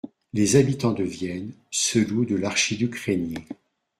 Les habitans de Vienne se louent de l'archiduc Rainier.